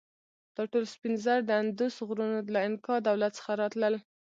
دا ټول سپین زر د اندوس غرونو له انکا دولت څخه راتلل.